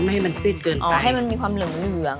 ไม่ให้มันสิ้นเกินไปอ๋อให้มันมีความเหลืองเหงื่อง